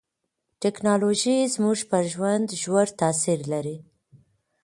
ټکنالوژي زموږ پر ژوند ژور تاثیر لري.